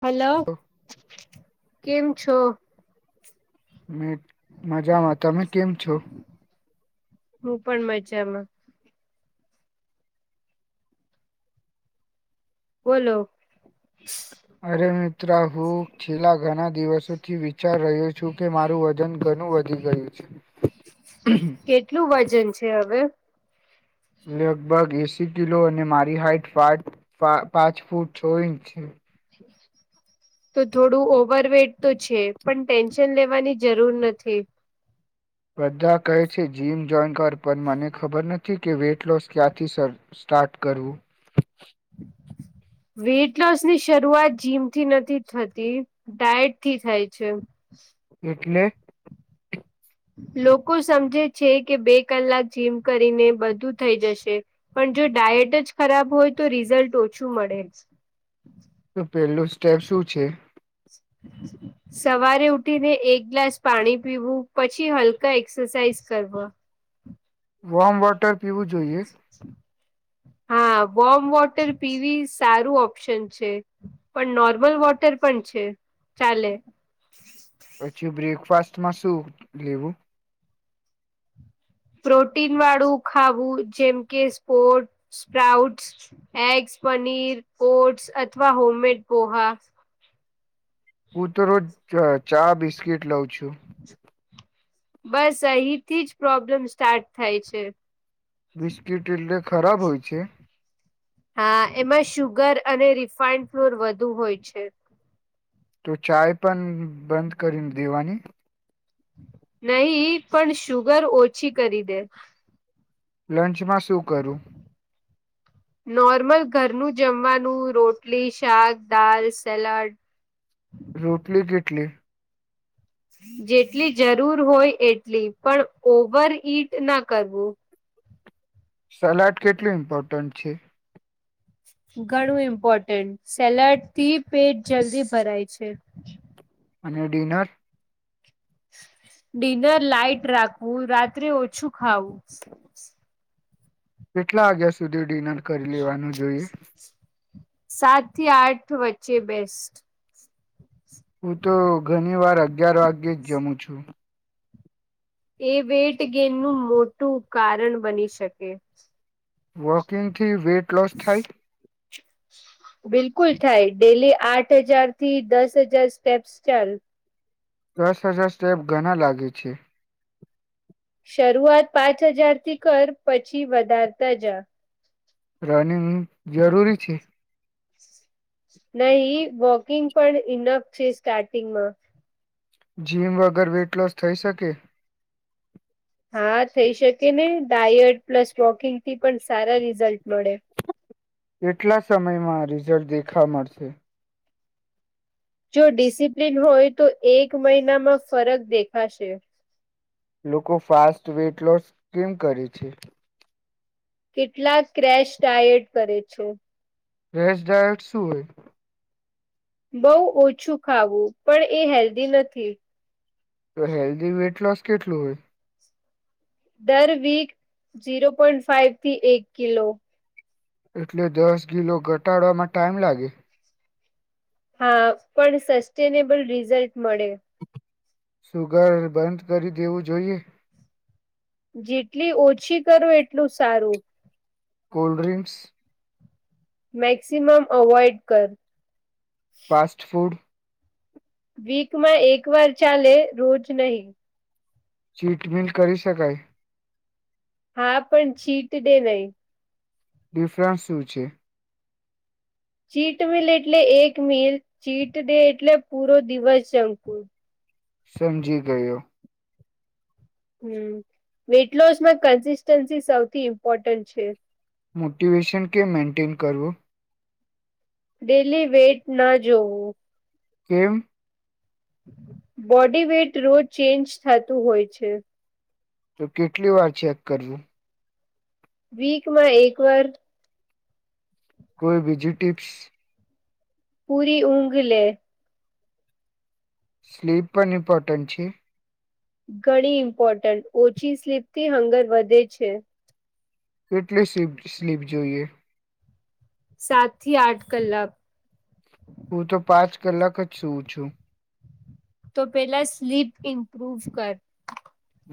Hello કેમ છો? મે મજામાં તમે કેમ છો? હું પણ મજા માં. બોલો. અરે મિત્રા હું છેલ્લા ઘણા દિવસોથી વિચાર રહ્યો છું. કે મારું વજન ઘણું વધી ગયું છે. કેટલું વજન છે હવે? લગભગ એસી કિલો અને મારી હાઈટ પાંચ ફૂટ છ ઇંચ છે. [unintelligible] તો થોડું ઓવર વેઈટ તો છે પણ ટેન્શન લેવાની જરૂર નથી. બ્ધા કહે છે જિમ જોઈન કર પણ મને ખબર નથી કે વેઇટ લોસ ક્યાંથી સર સ્ટાર્ટ કરું. [unintelligible] વેઇટ લોસ ની શરૂઆત જીમથી નથી થતી ડાયટથી થાય છે. એટલે? લોકો સમજે છે કે બે કલાક જીમ કરીને બધું થઈ જશે. પણ જો ડાયટ જ ખરાબ હોય તો રિઝલ્ટ ઓછું મળે જ. તો પેલું સ્ટેપ શું છે? સવારે ઉઠીને એક ગ્લાસ પાણી પીવું પછી હલકા એક્સરસાઇઝ કર વોર્મ વોટર પીવું જોઈએ. હા બોમ્બ વોટર પીવી સારું ઓપ્શન છે. પણ નોર્મલ વોટર પણ છે ચાલે. પછી બ્રેકફાસ્ટમાં શું લેવું? પ્રોટીન વાળું ખાવું જેમ કે spot, sprout. Eggs, paneer, oats અથવા હોમ મેડ પોહા. હું તો રોજ ચા બિસ્કીટ લઉ છું. બસ અહીંથી જ પ્રોબ્લેમ સ્ટાર્ટ થાય છે. બિસ્કીટ એટલે ખરાબ હોય છે? હા એમાં સુુગર અને રિફાઈન્ડ ફ્લોર વધુ હોય છે. તો ચાય પણ બંધ કરી દેવાની. નહી પણ શુગર ઓછી કરી દે. લંચમાં શું કરું? [inaudible] નોર્મલ ઘરનું જમવાનું રોટલી, શાક, દાલ, સલાડ. રોટલી કેટલી? જેટલી જરૂર હોય એટલી પણ ઓવર ઈટ ના કરવું. સલાડ કેટલું ઇમ્પોર્ટન્ટ છે? ઘણું ઇમ્પોર્ટન્ટ સેલાડ થી પેટ જલ્દી ભરાય છે. અને ડિનર? ડિનર લાાઈટ રાખવું રાત્રે ઓછું ખાવું. કેટલા વાગ્યા સુધી ડિનર કરી લેવાનું જોઈએ? સાત થી આઠ વચ્ચે બેસ્ટ. હું તો ઘણી વાર અગિયાર વાગ્યે જ જમું છું. એ વેઇટ ગેન નું મોટું કારણ બની શકે. વોકિંગ થી વેઇટ લોસ થાય? બિલકુલ થાય ડેલી આઠ હજાર થી દસ હજાર સ્ટેપ્સ ચાલ દસ હજાર સ્ટેપ ઘણા લાગે છે. શરૂઆત પાંચ હજાર થી કર પછી વધારતા જ રનિંગ જરૂરી છે. નહી વોકિંગ પણ ઇનફ છે સ્ટાર્ટિંગમાં. જીમ વગર વેઇટ લોસ થઈ શકે? હા થઈ શકે ને ડાયટ પ્લસ વોકિંગ થી પણ સારા રિઝલ્ટ મળે. કેટલા સમયમાં રિઝલ્ટ દેખા મળશે? જો ડિસિપ્લલીન હોય તો એક મહિનામાં ફરક દેખાશે. લોકો ફાસ્ટ વેટ લોસ કેમ કરે છે? કેટલા ક્રેશ ડાયટ કરે છે. ફેશ ડાયટ શું હોય? બઉ ઓછું ખાવું પણ એ હેલ્ધી નથી. તો હેલ્ધી વેઇટ લોસ કેટલું હોય. દર વીક ઝીરો પોઈન્ટ ફાઈવ થી એક કિલો એટલે દસ કીલો ઘટાડવામાં ટાઈમ લાગે. હા પણ સસ્ટેનેબલ રિઝલ્ટ મળે. સુગર બંધ કરી દેવું જોઈએ. જેટલી ઓછી કરો એટલું સારું. કોલ્ડ્રિંક્સ મેક્સિમમ અવોઈડ કર. ફાસ્ટ ફૂડ વીકમાં એક વાર ચાલે રોજ નહી. ચીટમિન્ટ કરી શકાય. હા પણ ચીટ ડે નહી. ડિફરન્સ શું છે? ચીટ મિલ એટલે એક મિલ ચીટ ડે એટલે પૂરો દિવસ જવું. સમજી ગયો. હમ વેઇટ લોસમાં કન્સિસ્ટન્સી સૌથી ઇમ્પોર્ટન્ટ છે. મોટિવેશન કે મેન્ટેન કરવું. ડેલી વેટ ના જોવું. કેમ? બોડી વેઇટ રોજ ચેન્જ થતું હોય છે. તો કેટલી વાર ચેક કરવું? વીકમાં એક વાર. કોઈ બીજી ટીપ્સ? પૂરી ઊંઘ લેવી. સ્લીપ પણ એમ્પોર્ટન્ટ છે? ઘણી ઇમ્પોર્ટન્ટ ઓછી સ્લીપ થી હંગર વધે છે. કેટલી સ્ સ્લીપ જોઈએ? સાત થી આઠ કલાક. હું તો પાંચ કલાક જ સૂવું છું. તો પેલા સ્લીપ ઇમ્પ્રુવ કર.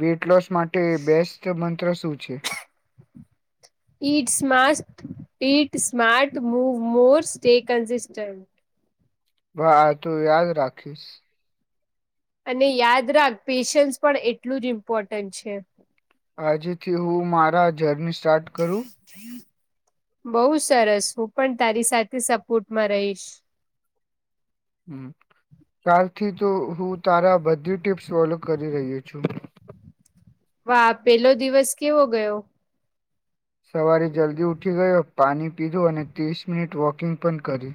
વેઇટ લોસ માટે બેસ્ટસ્ટ મંત્ર શું છે? Eat smart eat smart move more stay consistent હ તું યાદ રાખીશ. અને યાદ રાખ પેશન્સ પણ એટલું જ ઇમ્પોર્ટન્ટ છે. આજેથી હું મારા જર્ની સ્ટાર્ટ કરું. બહ સરસ હું પણ તારી સાથે સપોર્ટમાં રહીશ. હમ કાલથી તો હું તારા બધી ટીપ્સ ફોલો કરી રહ્યો છું. વાહ પેલો દિવસ કેવો ગયો? સવારે જલ્દી ઉઠી ગયો પાણી પીધો અને ત્રીસ મિનિટ વોકિંગ પણ કરી.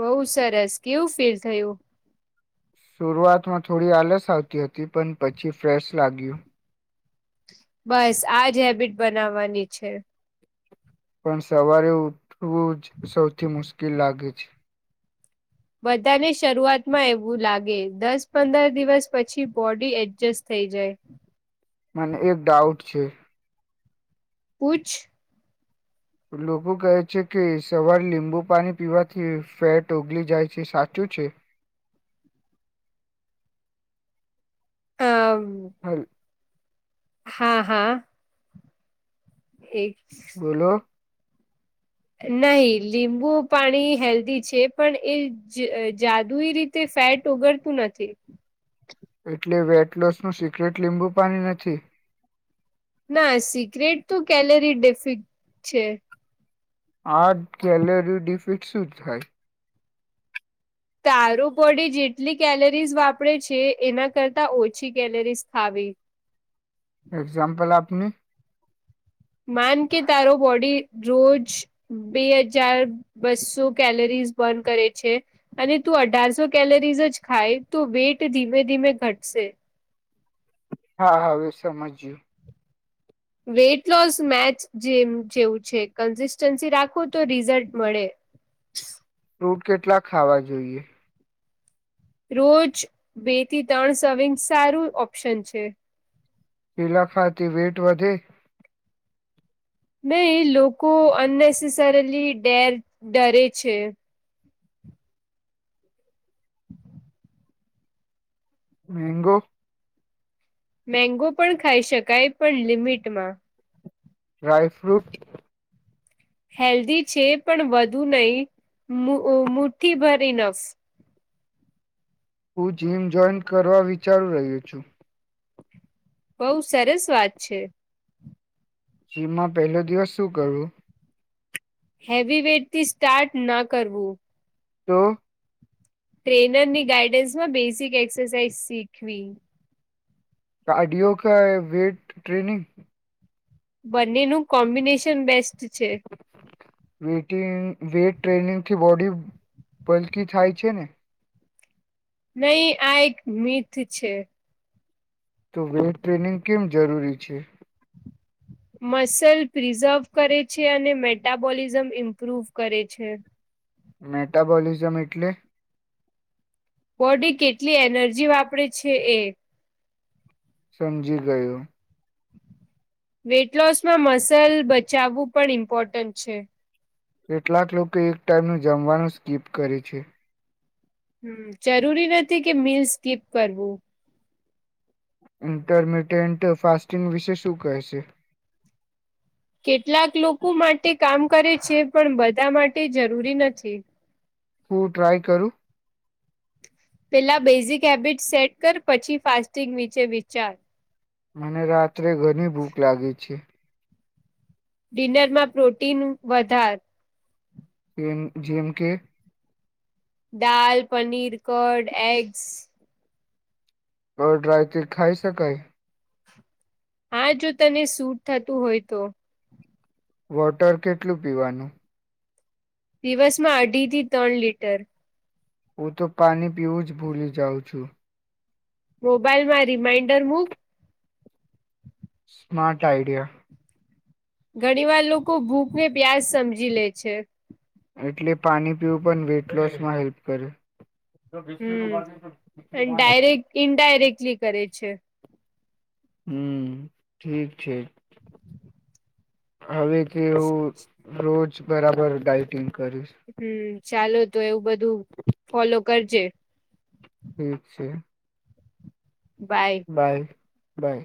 બઉ સરસ કેવું ફીલ થયું? શરૂઆતમાં થોડી આલસ આવતી હતી પણ પછી ફ્રેશ લાગ્યું. બસ આજ હેબિટ બનાવવાની છે. પણ સવારે ઉઠવું જ સૌથી મુશ્કેલ લાગે છે. બધાને શરૂઆતમાં એવું લાગે દસ પંદર દિવસ પછી બોડી એડજસ્ટ થઈ જાય. મને એક ડાઉટ છે. પુછ લોકો કહે છે કે સવારે લીંબુ પાણી પીવાથી ફેટ ઓગળ જાય છે સાચું છે. હ હાલ હા હા એક બોલો નહી લીંબુ પાણી હેલ્ધી છે પણ એ જાદુઈ રીતે ફેટ ઓગરતું નથી. એટલે વેઇટ લોસ નું સિક્રેટ લીંબુ પાણી નથી. ના સિક્રેટ તો કેલરી ડેફિક છે. આર્ટ ગેલરી ડિફિટ શું થાય. તાર બોડી જેટલી કેલરીઝ વાપરે છે એના કરતા ઓછી કેલરીઝ ખાવી એક્ઝામપલ આપની માન કે તારો બોડી રોજ બે હજાર બસ્સો કેલરીઝ બર્ન કરે છે. અને તું અઢારસો કેલરીઝ જ ખાય તો વેટ ધીમે ધીમે ઘટશે હા હાવે સમજજું વેઇટ લોસ મેચ જેમ જેવું છે કન્સિસ્ટન્સી રાખો તો રિઝલ્ટ મળે ફ્રૂટ કેટલા ખાવા જોઈએ રોજ બે થી ત્રણ સર્વિંગ સારું ઓપ્શન છે. પિલાખાથી વેટ વધે ન લોકો અનનેસેસરીલી ડેર ડરે છે. [inaudible] મેંગો મેંગો પણ ખાઈ શકાય પણ લિમિટમાં ડ્રાય ફ્રૂટ હેલ્ધી છે પણ વધુ નહી મુઠ્ઠી ભરી ન હું જીમ જોઈન કરવા વિચારું રહ્યો છું. બઉુ સરસ વાત છે. સીમાં પેલો દિવસ શું કરવું? હેવી વેટથી સ્ટાર્ટ ના કરવું તો ટ્રેનર ની ગાઈડન્સ માં બેસિક એક્સરસાઇઝ શીખવી આડિયો કા વેટ ટ્રેનિંગ બંનેનું કોમ્બિનેશન બેસ્ટ છે. વેઇટિંગ વેઇટ ટ્રેનિંગ થી બોડી પલકી થાય છે ને નહી આ એક મીથ છે. તો વેટ ટ્રેનિંગ કેમ જરૂરી છે. મસલ પ્રિઝર્વ કરે છે અને મેટાબોલિઝમ ઇમ્પ્રુવ કરે છે. મેટાબોલિઝમ એટલે બોડી કેટલી એનર્જી વાપરે છે એ સમજી ગયું. વેઇટ લોસમાં મસલ બચાવવું પણ ઇમ્પોર્ટન્ટ છે. કેટલાક લોકો એક ટાઈમનું જમવાનું સ્કીપ કરે છે. હમ જરૂરી નથી કે મિલ સ્કીપ કરવું ઇન્ટરમીડિયન્ટ ફાસ્ટિંગ વિશે શું કહે છે. કેટલાક લોકો માટે કામ કરે છે પણ બધા માટે જરૂરી નથી હું ટ્રાય કરું પેલા બેઝિક હેબિટ સેટ કર પછી ફાસ્ટિંગ વિશે વિચાર મને રાત્રે ઘણી ભૂખ લાગી છે. ડિનર માં પ્રોટીન વધાર એ એમ જીએમ કે દાલ પનીર કરડ એગ્સ કડ્રાય તે ખાઈ શકાય હા જો તને સટ થતું હોય તો વોટર કેટલું પીવાનુ દિવસ માં અઢી થી ત્રણ લીટર હું તો પાણી પીવું જ ભૂલી જાઉં છુ. મોબાઈલ માં રિમાઈન્ડર મૂક સ્માાર્ટ આઈડિયા ઘણી વાર લોકો ભૂખ ને પ્યાજ સમજી લે છે. એટલે પાણી પીવું પણ વેઇટ લોસમાં હેલ્પ કરે જો બિસ્ ન બાજ તો વા ઇન્ડાયરેક્ટલી કરે છે. હમ ઠીક છે. હવે કે હું રોજ બરાબર ડઇટિંગ કરીશ હમ ચાલો તો એવું બધું ફોલો કરજે ઠીક છે. Bye bye by